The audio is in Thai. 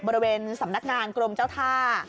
บริเวณสำนักงานกรมเจ้าท่า